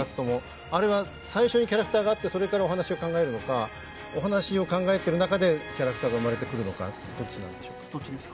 あれは最初にキャラクターがあってそれからお話を考えるのかお話を考えてる中でキャラクターが生まれてくるのかどっちなんでしょう？